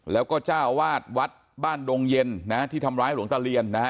แล้วก็เจ้าวาดวัดบ้านดงเย็นนะที่ทำร้ายหลวงตาเรียนนะฮะ